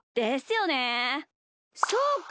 そうか！